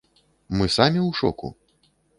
Мы самі ў шоку.